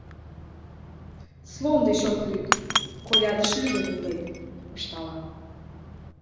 — Слон деч от лӱд — коля деч лӱдын илет, — ышталам.